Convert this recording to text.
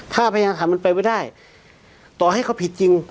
ถ้าพยานฐานมันไปไม่ได้ต่อให้เขาผิดจริง